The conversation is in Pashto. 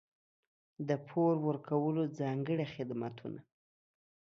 د پور ورکولو ځانګړي خدمتونه.